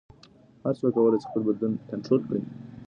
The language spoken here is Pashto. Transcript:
هر څوک کولی شي خپل بدلون کنټرول کړي.